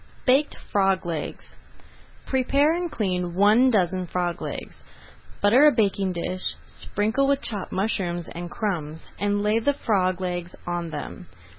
BAKED FROG LEGS Prepare and clean one dozen frog legs. Butter a baking dish, sprinkle with chopped mushrooms and crumbs, and lay the frog legs on them.